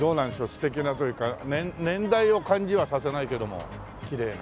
素敵なというか年代を感じはさせないけどもきれいな。